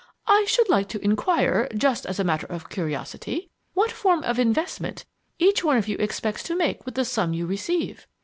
"I should like to inquire, just as a matter of curiosity, what form of investment each one of you expects to make with the sum you receive?